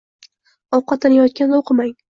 Ovqatlanayotganda o‘qimang.